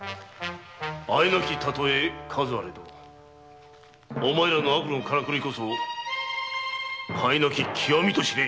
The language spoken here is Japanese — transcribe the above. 敢えなき例え数あれどお前らの悪のからくりこそ甲斐なき極みと知れ。